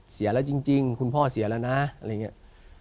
เสียแล้วจริงคุณพ่อเสียแล้วนะ